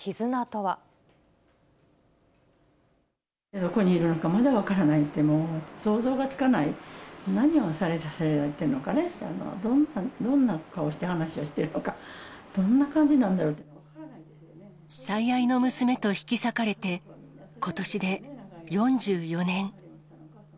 どこにいるのか、まだわからないって、もう想像がつかない、何をさせられているのかね、どんな顔して話をしているのか、最愛の娘と引き裂かれて、ことしで４４年。